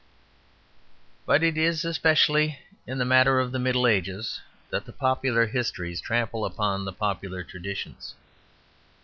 But it is especially in the matter of the Middle Ages that the popular histories trample upon the popular traditions.